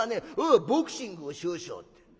『あボクシングを少々』って。